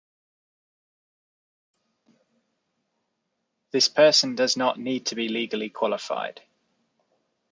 This person does not need to be legally qualified.